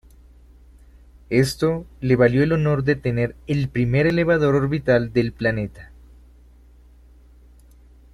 Esto le valió el honor de tener el primer elevador orbital del planeta.